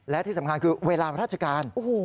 และที่สำคัญคือเวลาราชการ